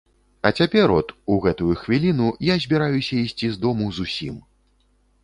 А цяпер от, у гэтую хвіліну, я збіраюся ісці з дому зусім.